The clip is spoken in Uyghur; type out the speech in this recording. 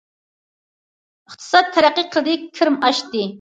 ئىقتىساد تەرەققىي قىلدى، كىرىم ئاشتى.